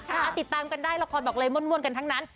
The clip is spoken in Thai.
ติดตามกันได้ละครบอกเลยม่วนกันทั้งนั้น